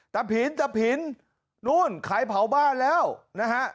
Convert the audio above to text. ผินตะผินนู่นขายเผาบ้านแล้วนะฮะ